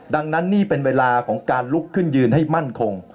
ดังนั้นนี่เป็นเวลาของการลุกขึ้นยืนให้มั่นคง